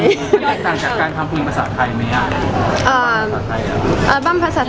มันอันต่างจากการทำเพลงภาษาไทยไหมอาร์บั้มภาษาไทย